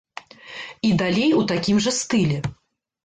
І далей у такім жа стылі.